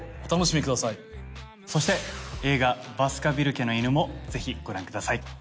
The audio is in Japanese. そして映画『バスカヴィル家の犬』もぜひご覧ください。